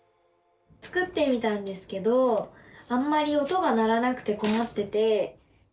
作ってみたんですけどあんまり音が鳴らなくてこまってて。